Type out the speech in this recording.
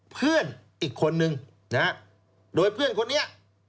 เพื่อนอีกคนนึงนะฮะโดยเพื่อนคนนี้